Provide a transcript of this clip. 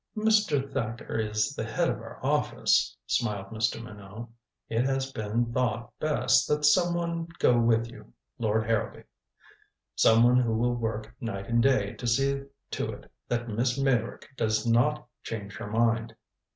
"Mr. Thacker is the head of our office," smiled Mr. Minot. "It has been thought best that some one go with you, Lord Harrowby. Some one who will work night and day to see to it that Miss Meyrick does not change her mind.